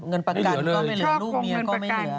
เงินประกันก็ไม่เหลือลูกเมียก็ไม่เหลือ